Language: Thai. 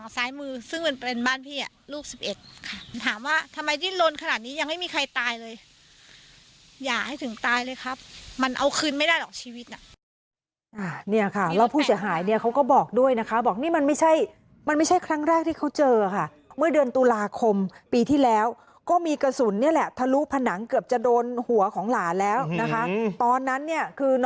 ซ้ายมือซึ่งมันเป็นบ้านพี่อ่ะลูกสิบเอ็ดค่ะถามว่าทำไมดิ้นลนขนาดนี้ยังไม่มีใครตายเลยอย่าให้ถึงตายเลยครับมันเอาคืนไม่ได้หรอกชีวิตน่ะเนี่ยค่ะแล้วผู้เสียหายเนี่ยเขาก็บอกด้วยนะคะบอกนี่มันไม่ใช่มันไม่ใช่ครั้งแรกที่เขาเจอค่ะเมื่อเดือนตุลาคมปีที่แล้วก็มีกระสุนเนี่ยแหละทะลุผนังเกือบจะโดนหัวของหลานแล้วนะคะตอนนั้นเนี่ยคือน